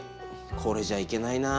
これじゃ行けないなあ。